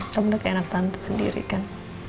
kamu udah kayak anak tante sendiri kan